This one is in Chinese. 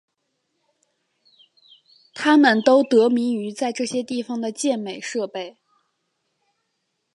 它们都得名于在这些地方的健美设备。